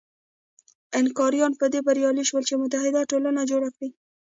اینکاریان په دې بریالي شول چې متحد ټولنه جوړه کړي.